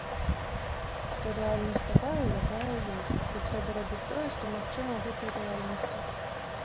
Што рэальнасць такая, якая ёсць, і трэба рабіць тое, што магчыма ў гэтай рэальнасці.